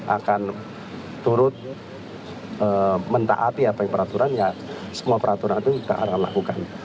akan turut mentaati apa yang peraturannya semua peraturan itu kita akan lakukan